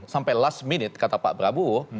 sampai last minute kata pak prabowo